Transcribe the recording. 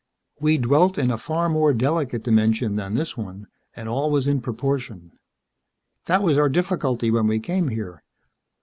We dwelt in a far more delicate dimension than this one and all was in proportion. That was our difficulty when we came here.